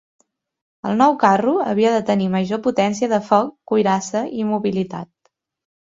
El nou carro havia de tenir major potència de foc, cuirassa i mobilitat.